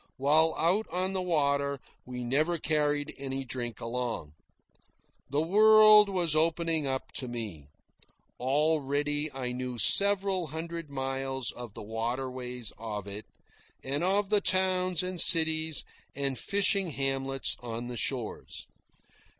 While out on the water, we never carried any drink along. The world was opening up to me. Already I knew several hundred miles of the water ways of it, and of the towns and cities and fishing hamlets on the shores.